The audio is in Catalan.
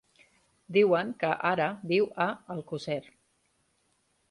Diuen que ara viu a Alcosser.